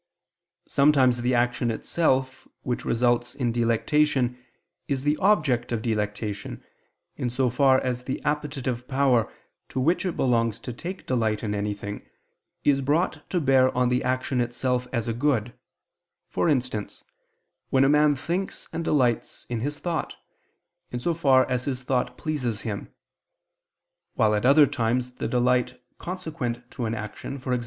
Sometimes the action itself, which results in delectation, is the object of delectation, in so far as the appetitive power, to which it belongs to take delight in anything, is brought to bear on the action itself as a good: for instance, when a man thinks and delights in his thought, in so far as his thought pleases him; while at other times the delight consequent to an action, e.g.